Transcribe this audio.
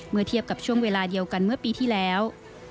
เมื่อเทียบกับช่วงเวลาเดียวกันเมื่อปีที่แล้ว